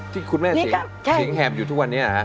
ที่คุณแม่เสียงแฮมอยู่ทุกวันนี้